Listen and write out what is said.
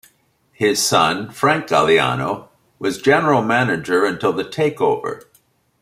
His son, Frank Galliano was General Manager until the takeover.